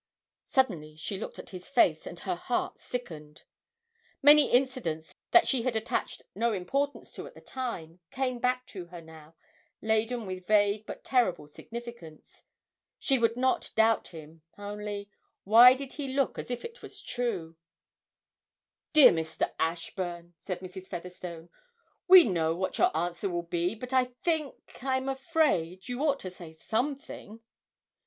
Suddenly she looked at his face, and her heart sickened. Many incidents that she had attached no importance to at the time came back to her now laden with vague but terrible significance ... she would not doubt him, only why did he look as if it was true? 'Dear Mr. Ashburn,' said Mrs. Featherstone, 'we know what your answer will be, but I think I'm afraid you ought to say something.'